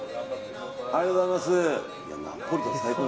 ありがとうございます。